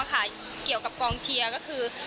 เกี่ยวกับกองเชียร์ก็คือ